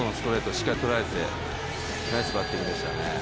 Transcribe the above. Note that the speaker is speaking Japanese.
しっかり捉えて、ナイスバッティングでしたね。